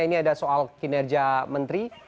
ini ada soal kinerja menteri